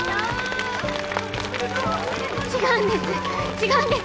違うんです